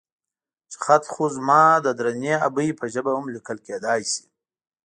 چې خط خو زما د درنې ابۍ په ژبه هم ليکل کېدای شي.